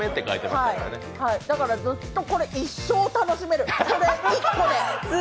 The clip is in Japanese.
だから、ずっとこれ、一生楽しめる、これ１個で。